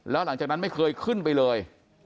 แล้วหลังจากนั้นไม่เคยขึ้นไปเลย